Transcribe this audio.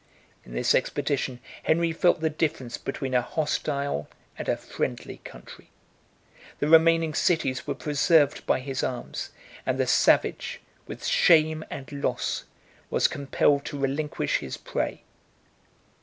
In this expedition, Henry felt the difference between a hostile and a friendly country: the remaining cities were preserved by his arms; and the savage, with shame and loss, was compelled to relinquish his prey.